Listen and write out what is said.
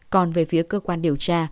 còn về phía cơ quan điều tra